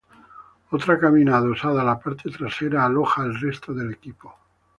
Otra cabina adosada a la parte trasera aloja el resto del equipo.